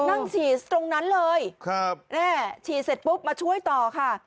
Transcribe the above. นั่งฉี่ตรงนั้นเลยฉี่เสร็จปุ๊บมาช่วยต่อค่ะ